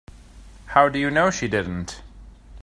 How do you know she didn't?